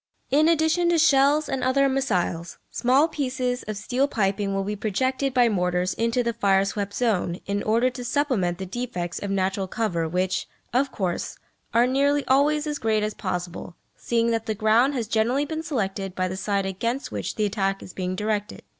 In addition to shells and other missiles, small pieces of steel piping will be projected by mortars into the fire swept zone, in order to supplement the defects of natural cover which, of course, are nearly always as great as possible, seeing that the ground has generally been selected by the side against which the attack is being directed.